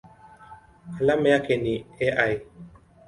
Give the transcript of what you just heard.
Alama yake ni Al.